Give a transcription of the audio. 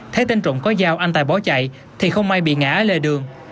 thấy tên trụng có dao anh tài bó chạy thì không may bị ngã ở lề đường